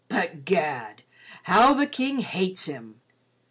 But, gad, how the King hates him.